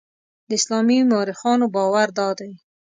د اسلامي مورخانو باور دادی.